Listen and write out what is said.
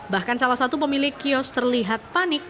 bahkan salah satu pemilik kios terlihat panik